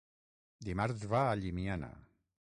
Dimarts va a Llimiana.